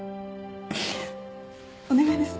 お願いです。